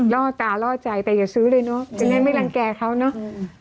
ล่อตาล่อใจแต่อย่าซื้อเลยเนอะจะได้ไม่รังแก่เขาเนอะ